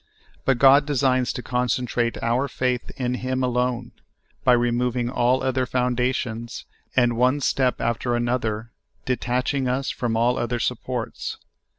But God designs to concentrate our faith in Him alone by removing all other founda tions, and, one step after another, detaching us from all other supports.